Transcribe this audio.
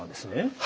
はい。